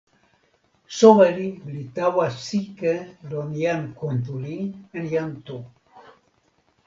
soweli li tawa sike lon jan Kuntuli en jan Tu.